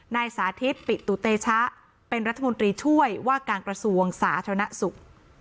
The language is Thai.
นายสาธิตปิตุเตชะเป็นรัฐมนตรีช่วยว่าการกระทรวงสาธารณสุข